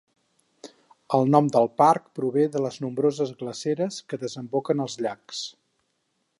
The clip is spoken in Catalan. El nom del parc prové de les nombroses glaceres que desemboquen als llacs.